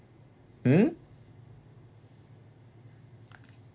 うん。